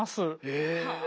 え！